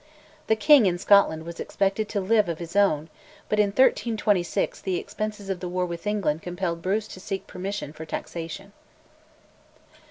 The king, in Scotland, was expected to "live of his own," but in 1326 the expenses of the war with England compelled Bruce to seek permission for taxation.